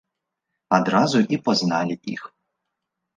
Адразу і пазналі іх.